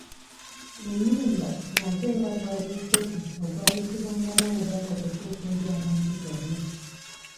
Ennyimba nazo era gwali mukutu ogwayisibwamu obubaka okutuuka eri abantu bonna